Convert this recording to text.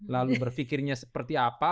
lalu berfikirnya seperti apa